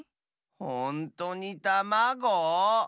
ほんとにたまご？